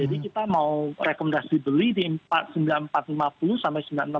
jadi kita mau rekomendasi beli di rp sembilan puluh empat lima puluh sampai rp sembilan puluh enam tujuh puluh lima